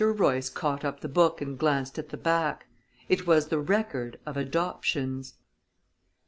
Royce caught up the book and glanced at the back. It was the "Record of Adoptions."